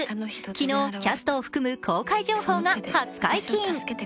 昨日、キャストを含む公開情報が初解禁。